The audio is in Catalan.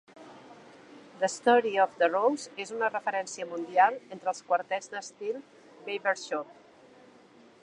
"The Story of the Rose" és una referència mundial entre els quartets d'estil "barbershop"